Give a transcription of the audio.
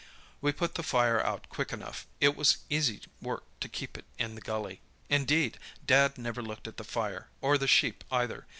We put the fire out quick enough; it was easy work to keep it in the gully. Indeed, Dad never looked at the fire, or the sheep either.